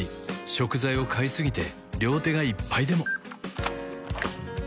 食材を買いすぎて両手がいっぱいでも